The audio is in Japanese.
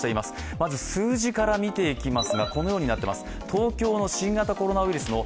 まず数字から見ていきます。